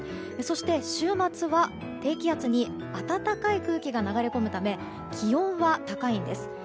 そして、週末は低気圧に暖かい空気が流れ込むため気温は高いんです。